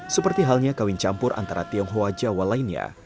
seperti halnya kawin campur antara tionghoa jawa lainnya